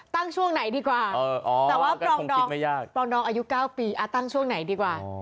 ตั้งช่วงไหนดีกว่าแต่ว่าปรองดองปรองดองอายุ๙ปีตั้งช่วงไหนดีกว่า